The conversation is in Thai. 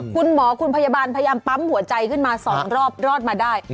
คุณหมอคุณพยาบาลพยายามปั๊มหัวใจขึ้นมา๒รอบรอดมาได้